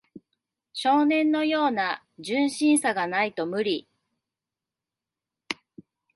少年のような純真さがないと無理